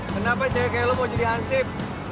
kenapa cewek kayak lo mau jadi hansip